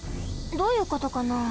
どういうことかな？